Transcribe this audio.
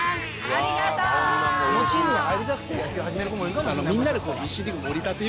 「このチームに入りたくて野球始める子もいるかもしれない」